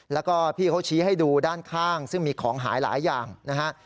แล้วก็พี่เขาชี้ให้ดูด้านข้างซึ่งมีของหายหลายอย่างนะฮะ